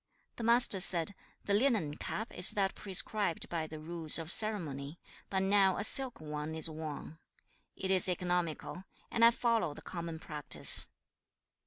The Master said, 'The linen cap is that prescribed by the rules of ceremony, but now a silk one is worn. It is economical, and I follow the common practice.